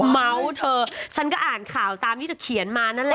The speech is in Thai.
เมาส์เธอฉันก็อ่านข่าวตามที่เธอเขียนมานั่นแหละ